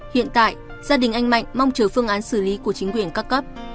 hiện tại gia đình anh mạnh mong chờ phương án xử lý của chính quyền các cấp